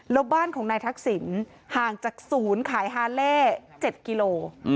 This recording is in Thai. แล้วบ้านของนายทักษิณห่างจากศูนย์ขายฮาเล่๗กิโล